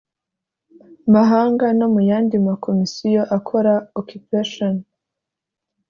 mahanga no mu yandi makomisiyo akora occupation